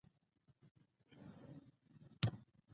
د خپلو کړاوونو سره په رزم یو څه خوند واخلي.